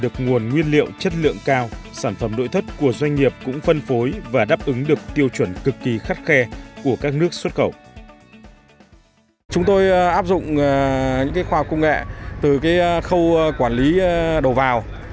chúng tôi áp dụng những khoa học công nghệ từ khâu quản lý đồ vào